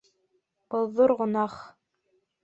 Был — ҙур гонаһ.